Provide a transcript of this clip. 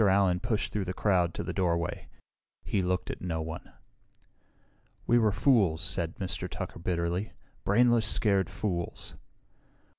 Allen pushed through the crowd to the doorway. He looked at no one. "We were fools," said Mr. Tucker bitterly. "Brainless, scared fools."